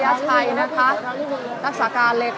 และที่อยู่ด้านหลังคุณยิ่งรักนะคะก็คือนางสาวคัตยาสวัสดีผลนะคะ